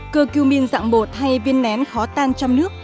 coqmin dạng bột hay viên nén khó tan trong nước